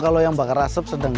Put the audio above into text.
kalau yang bakar asap sedang